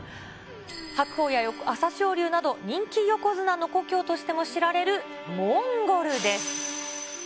白鵬や朝青龍など人気横綱の故郷としても知られるモンゴルです。